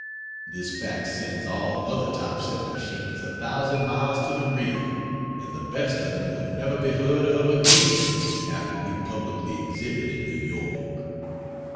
This fact sends all other type setting machines a thousand miles to the rear, and the best of them will never be heard of again after we publicly exhibit in New York.